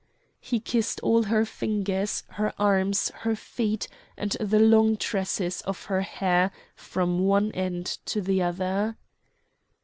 He kissed all her fingers, her arms, her feet, and the long tresses of her hair from one end to the other.